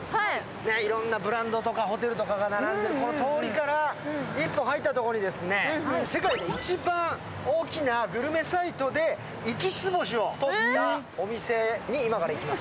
いろんなブランドとかホテルとかが並んでいる通りから一本入ったところに、世界で一番大きなグルメサイトで五つ星をとったお店に今から行きます。